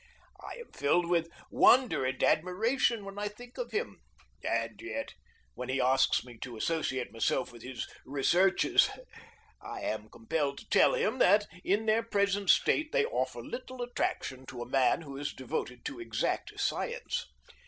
I am filled with wonder and admiration when I think of him, and yet, when he asks me to associate myself with his researches, I am compelled to tell him that, in their present state, they offer little attraction to a man who is devoted to exact science.